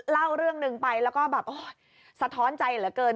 เล่าเรื่องหนึ่งไปแล้วก็แบบสะท้อนใจเหลือเกิน